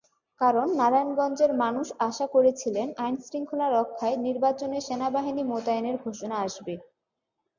কারণ, নারায়ণগঞ্জের মানুষ আশা করেছিলেন আইনশৃঙ্খলা রক্ষায় নির্বাচনে সেনাবাহিনী মোতায়েনের ঘোষণা আসবে।